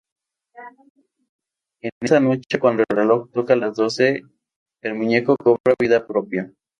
En esa noche, cuando el reloj toca las doce, el muñeco cobra vida propia.